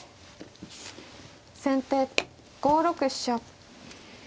先手５六飛車。